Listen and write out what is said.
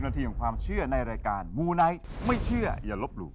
นาทีของความเชื่อในรายการมูไนท์ไม่เชื่ออย่าลบหลู่